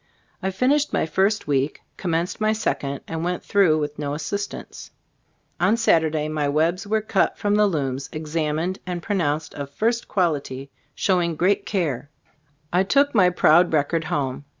I finished my first week, commenced my second, and went through with no assistance. On Saturday my webs were cut from the looms, examined io6 Sbe Stocs of Ac Cbtldbooft and proooonced of first quality, show ing great care. I took my proud rec ord home.